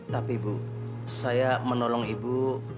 tapi ibu saya menolong ibu